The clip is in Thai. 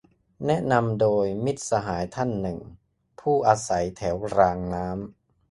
แนะนำโดย มิตรสหายท่านหนึ่ง ผู้อาศัยแถวรางน้ำ